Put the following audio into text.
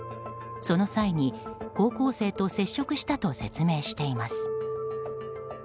その際に、高校生と接触したと説明しています。